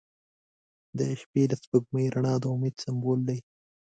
• د شپې د سپوږمۍ رڼا د امید سمبول دی.